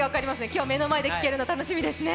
今日、目の前で聴けるの楽しみですね。